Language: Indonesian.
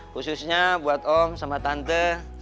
khususnya buat om sama tante